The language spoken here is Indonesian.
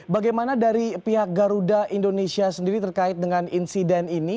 bagaimana dari pihak garuda indonesia sendiri terkait dengan insiden ini